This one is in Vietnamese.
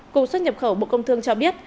cục xuất nhập khẩu bộ công thương cho biết